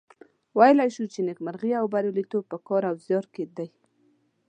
ویلای شو چې نیکمرغي او بریالیتوب په کار او زیار کې دي.